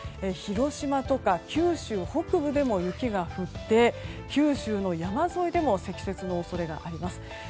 広島とか九州北部でも雪が降って九州の山沿いでも積雪の恐れがあります。